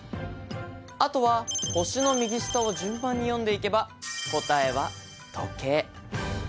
あとは星の右下を順番に読んでいけば答えは時計